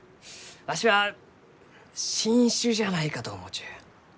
わしは新種じゃないかと思うちゅう。